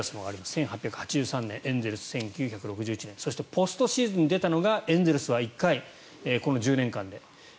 １８８３年エンゼルス、１９６１年そしてポストシーズンに出たのがエンゼルスは１回この１０年間で。